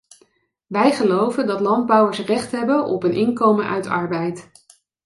Wij geloven dat landbouwers recht hebben op een inkomen uit arbeid.